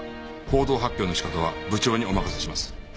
報道発表の仕方は部長にお任せします。